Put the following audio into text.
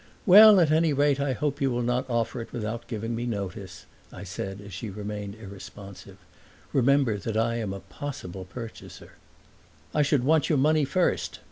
"Well, at any rate I hope you will not offer it without giving me notice," I said as she remained irresponsive. "Remember that I am a possible purchaser." "I should want your money first!"